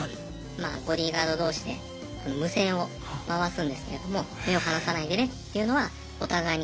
まあボディーガード同士で無線を回すんですけれども目を離さないでねというのはお互いにコンタクトします。